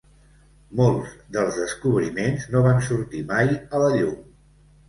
Molts dels descobriments no van sortir mai a la llum.